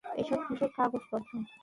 এসব কিসের কাগজপত্র?